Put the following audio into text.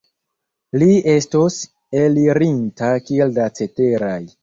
Li estos elirinta kiel la ceteraj.